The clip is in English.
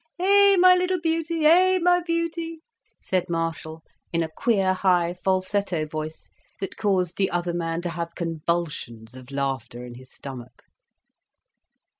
"Eh, my little beauty, eh, my beauty!" said Marshall, in a queer high falsetto voice, that caused the other man to have convulsions of laughter in his stomach.